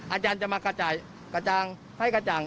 อาจารย์จะมากระจ่างให้กระจ่าง